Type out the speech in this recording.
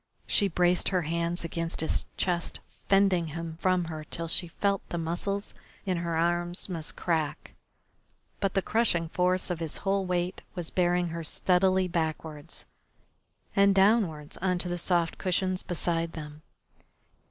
She braced her hands against his chest, fending him from her till she felt the muscles in her arms must crack, but the crushing force of his whole weight was bearing her steadily backwards, and downwards on to the soft cushions beside them.